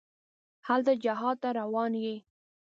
هلته جهاد ته روان یې.